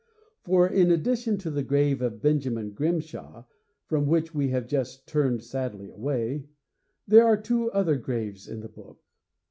For, in addition to the grave of Benjamin Grimshaw, from which we have just turned sadly away, there are two other graves in the book.